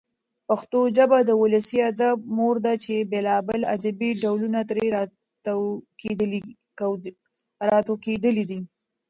پښتو ژبه د ولسي ادب مور ده چي بېلابېل ادبي ډولونه ترې راټوکېدلي دي.